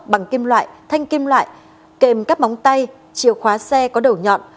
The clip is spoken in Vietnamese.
bằng kim loại thanh kim loại kèm cắp móng tay chiều khóa xe có đầu nhọn